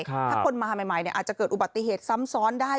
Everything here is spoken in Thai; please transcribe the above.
ถ้าคนมาใหม่อาจจะเกิดอุบัติเหตุซ้ำซ้อนได้